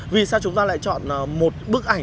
vì sao chúng ta lại chọn một bức ảnh